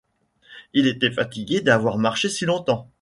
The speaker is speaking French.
Il était fatigué d'avoir marché si longtemps.